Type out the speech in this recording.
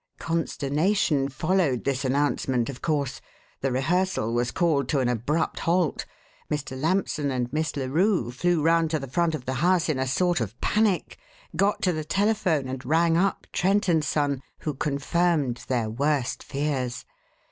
Consternation followed this announcement, of course. The rehearsal was called to an abrupt halt. Mr. Lampson and Miss Larue flew round to the front of the house in a sort of panic, got to the telephone, and rang up Trent & Son, who confirmed their worst fears.